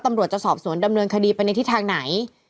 ตำรวจจะสอบสวนดำเนินคดีไปในทิศทางไหน